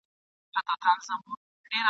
چي پښتانه په جبر نه، خو په رضا سمېږي ..